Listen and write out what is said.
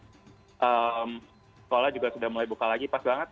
sekolah juga sudah mulai buka lagi pas banget